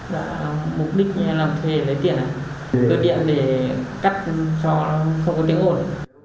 và mục đích là thuê lấy tiền cơ điện để cắt cho không có tiếng ổn